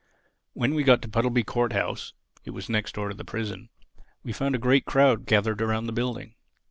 When we got to Puddleby Court house (it was next door to the prison), we found a great crowd gathered around the building.